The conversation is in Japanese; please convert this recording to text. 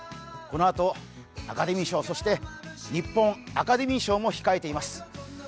このあとアカデミー賞、そして日本アカデミー賞も控えています。